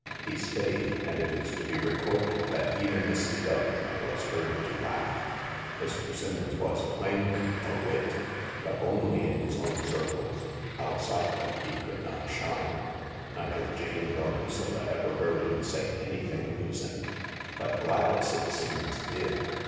He stayed, and it is to be recorded that even Mrs. Doveton was heard to laugh. Mr. Simmons was, plainly, a wit, but only in his own circles ; outside them he could not shine. Neither Jane nor Lucilla ever heard him say anything amusing. But Gladys, it seems, did.